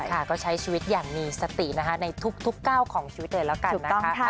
ค่ะก็ใช้ชีวิตอย่างมีสตินะคะในทุกก้าวของชีวิตเลยแล้วกันนะคะ